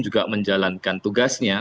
juga menjalankan tugasnya